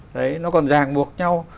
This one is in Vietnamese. đấy nó còn ràng buộc nhau